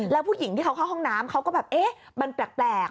แล้วผู้หญิงที่เขาเข้าห้องน้ำเขาก็แบบเอ๊ะมันแปลก